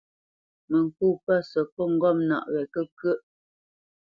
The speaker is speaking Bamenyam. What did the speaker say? Mə ŋkô pə̂ səkôt ŋgɔ̂mnaʼ wɛ kə́kʉə́ʼ.